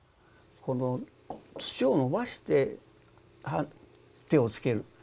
この土を伸ばして手を付ける。